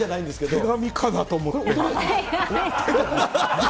手紙かなと思って。